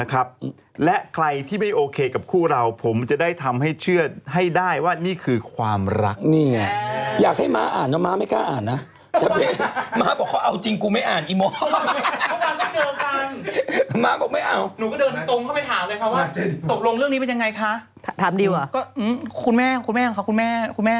ขอบคุณที่เข้าใจอย่าไปฟังเสียงนกเสียงกา